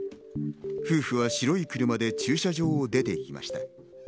夫婦は白い車で駐車場を出て行きました。